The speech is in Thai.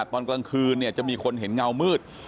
ตอนกลางคืนเนี่ยจะมีคนเห็นเงามืด